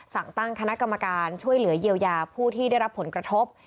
สั่งตั้งคณะกรรมการช่วยเหลือเยียวยาผู้ที่ได้รับผลกระทบ